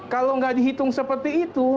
kalau nggak dihitung seperti itu